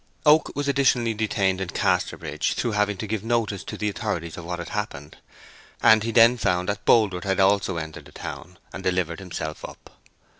Oak was additionally detained in Casterbridge through having to give notice to the authorities of what had happened; and he then found that Boldwood had also entered the town, and delivered himself up.